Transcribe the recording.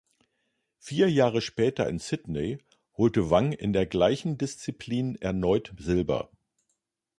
Vier Jahre später in Sydney holte Wang in der gleichen Disziplin erneut Silber.